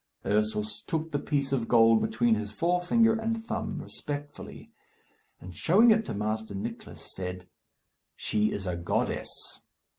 Ursus took the piece of gold between his forefinger and thumb respectfully, and, showing it to Master Nicless, said, "She is a goddess."